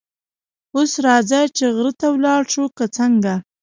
اوس راځه چې غره ته ولاړ شو، که څنګه؟